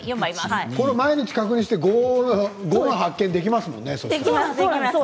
毎日、確認して５、発見できますもんね。